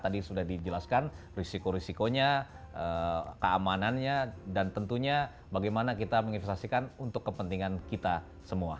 tadi sudah dijelaskan risiko risikonya keamanannya dan tentunya bagaimana kita menginvestasikan untuk kepentingan kita semua